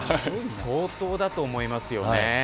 相当だと思いますよね。